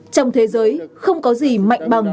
trong thế giới không có gì mạnh bằng